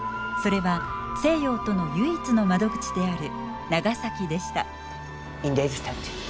それは西洋との唯一の窓口である長崎でした。